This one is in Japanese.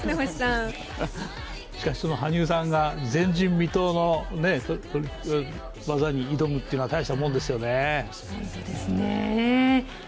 しかし、その羽生さんが前人未到のトリプル技に挑むのは大したものですよね。